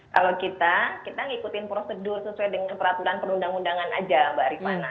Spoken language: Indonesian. kalau kita kita ngikutin prosedur sesuai dengan peraturan perundang undangan aja mbak rifana